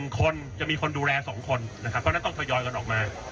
๑คนจะมีคนดูแล๒คนนะครับเพราะฉะนั้นต้องทยอยกันออกมา